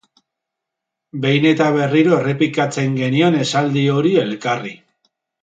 Behin eta berriro errepikatzen genion esaldi hori elkarri.